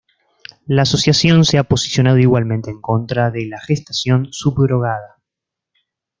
La asociación se ha posicionado igualmente en contra de la gestación subrogada.